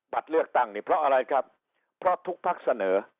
เลือกตั้งนี่เพราะอะไรครับเพราะทุกพักเสนอ